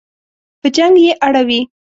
په جنګ یې اړوي.